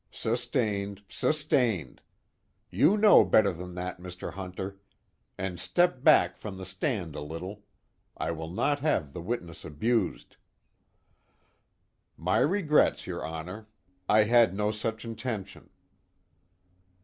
"Sustained sustained. You know better than that, Mr. Hunter. And step back from the stand a little. I will not have the witness abused." "My regrets, your Honor. I had no such intention."